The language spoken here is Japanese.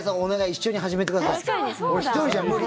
一緒に始めてください。